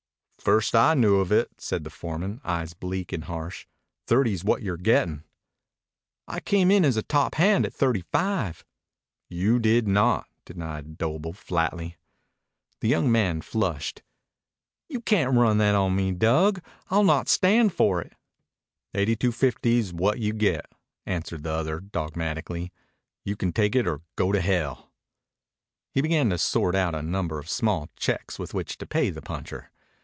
"First I knew of it," said the foreman, eyes bleak and harsh. "Thirty's what you're gettin'." "I came in as top hand at thirty five." "You did not," denied Doble flatly. The young man flushed. "You can't run that on me, Dug. I'll not stand for it." "Eighty two fifty is what you get," answered the other dogmatically. "You can take it or go to hell." He began to sort out a number of small checks with which to pay the puncher.